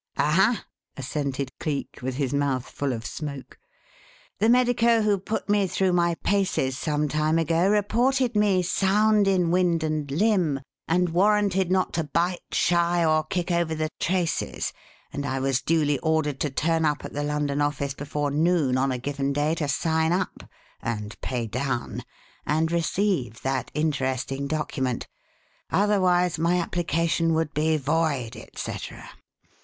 "Aha!" assented Cleek, with his mouth full of smoke. "The medico who put me through my paces, some time ago, reported me sound in wind and limb, and warranted not to bite, shy, or kick over the traces, and I was duly ordered to turn up at the London office before noon on a given day to sign up (and pay down) and receive that interesting document, otherwise my application would be void, et cetera.